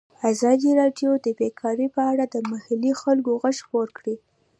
ازادي راډیو د بیکاري په اړه د محلي خلکو غږ خپور کړی.